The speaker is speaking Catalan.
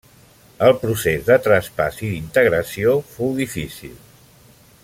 El procés de traspàs i d'integració fou difícil.